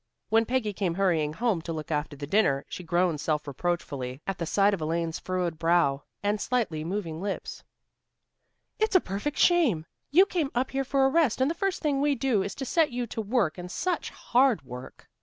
When Peggy came hurrying home to look after the dinner she groaned self reproachfully at the sight of Elaine's furrowed brow, and silently moving lips. "It's a perfect shame! You came up here for a rest, and the first thing we do is to set you to work and such hard work."